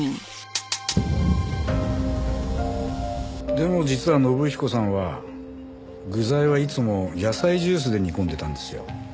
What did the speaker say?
でも実は信彦さんは具材はいつも野菜ジュースで煮込んでたんですよ。